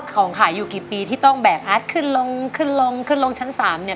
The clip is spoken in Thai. ของขายอยู่กี่ปีที่ต้องแบกแอดขึ้นลงขึ้นลงขึ้นลงชั้นสามเนี่ย